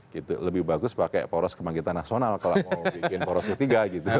jadi lebih bagus pakai poros kebangkitan nasional kalau mau bikin poros ketiga gitu